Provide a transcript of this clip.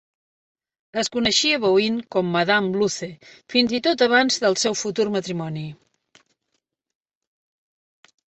Es coneixia Bouin com "Madame Luce", fins i tot abans del seu futur matrimoni.